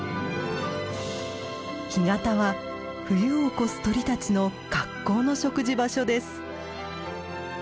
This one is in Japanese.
干潟は冬を越す鳥たちの格好の食事場所です。